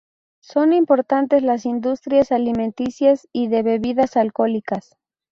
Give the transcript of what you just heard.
Son importantes las industrias alimenticias y de bebidas alcohólicas.